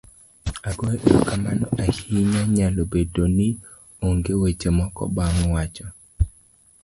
agoyo erokamano ahinya. nyalo bedo ni onge weche moko bang' wacho